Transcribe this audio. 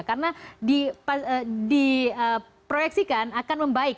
karena diproyeksikan akan membaik